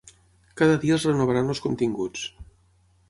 Cada dia es renovaran els continguts.